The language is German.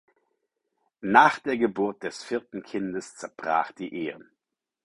Nach der Geburt des vierten Kindes zerbrach die Ehe.